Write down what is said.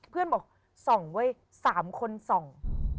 เพื่อนบอกส่องเว้ย๓คนส่อง